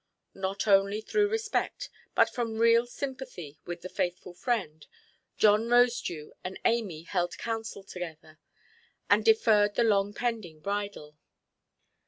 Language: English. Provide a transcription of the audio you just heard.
Not only through respect, but from real sympathy with the faithful friend, John Rosedew and Amy held counsel together, and deferred the long–pending bridal.